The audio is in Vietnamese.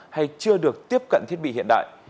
hay chưa được tiếp cận thiết bị hiện đại